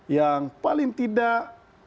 yang paling tidak